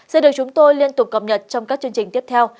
sẽ được chúng tôi liên tục cập nhật trong các chương trình tiếp theo